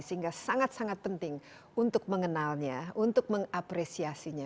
sehingga sangat sangat penting untuk mengenalnya untuk mengapresiasinya